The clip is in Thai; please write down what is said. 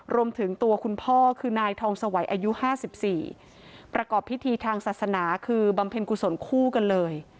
รวมถึงตัวคุณพ่อคือนายทองสวัยอายุ๕๔ประกอบพิธีทางศาสนาคือบำเพ็ญกุศลคู่กันเลย